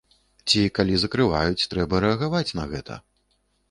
Ці, калі закрываюць, трэба рэагаваць на гэта.